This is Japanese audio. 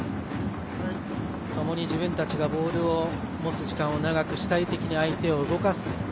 ともに自分たちがボールを持つ時間を長く主体的に相手を動かす。